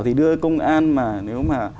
thì đưa công an mà nếu mà